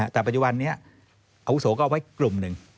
แต่ปัจจุบันนี้อาวุโสก็เอาไว้กลุ่มหนึ่ง